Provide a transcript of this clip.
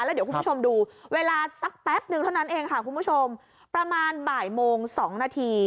แล้วเดี๋ยวคุณผู้ชมดูเวลาสักแป๊บนึงเท่านั้นเองค่ะคุณผู้ชมประมาณบ่ายโมง๒นาที